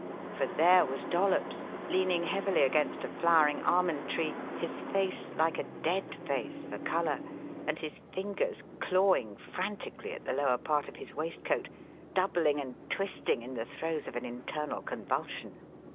For there was Dollops, leaning heavily against a flowering almond tree, his face like a dead face for colour, and his fingers clawing frantically at the lower part of his waistcoat, doubling and twisting in the throes of an internal convulsion.